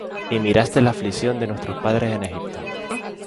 Y miraste la aflicción de nuestos padres en Egipto,